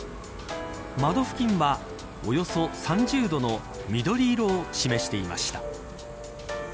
窓付近はおよそ３０度の緑色を示していました。